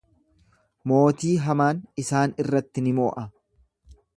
Mootii hamaan isaan irratti ni mo'a.